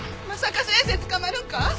まさか先生捕まるんか？